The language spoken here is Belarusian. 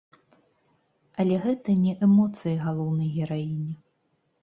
Але гэта не эмоцыі галоўнай гераіні.